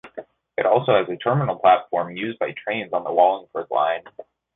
It also has a terminal platform used by trains on the Wallingford line.